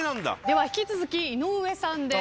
では引き続き井上さんです。